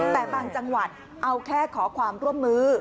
แต่บางจังหวัดเอาแค่ขอความร่วมมือ